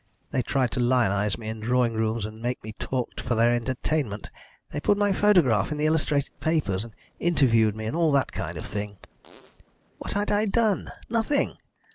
They tried to lionise me in drawing rooms and make me talk for their entertainment. They put my photograph in the illustrated papers, and interviewed me, and all that kind of thing. What had I done! Nothing!